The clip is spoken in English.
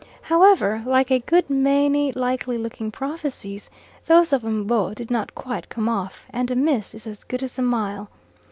However, like a good many likely looking prophecies, those of M'bo did not quite come off, and a miss is as good as a mile.